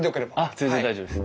全然大丈夫です。